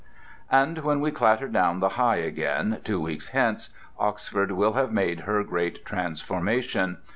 And when we clatter down the High again, two weeks hence, Oxford will have made her great transformation.